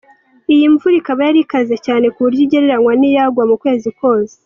Iyi mvura ikaba yari ikaze cyane ku buryo igereranywa n’iyagwa mu kwezi kose.